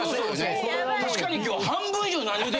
確かに今日。